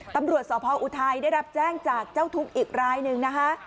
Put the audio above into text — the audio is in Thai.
ตำรวจสพออุทัยได้รับแจ้งจากเจ้าทุกข์อีกรายหนึ่งนะคะ